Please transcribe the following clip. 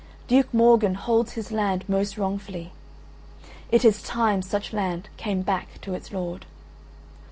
Duke Morgan holds his land most wrongfully; it is time such land came back to its lord."